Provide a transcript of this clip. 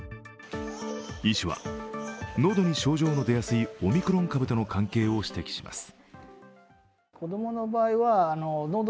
医師は、喉に症状の出やすいオミクロン株との関係を指摘します。